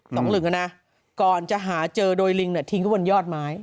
หลึงอ่ะนะก่อนจะหาเจอโดยลิงเนี่ยทิ้งไว้บนยอดไม้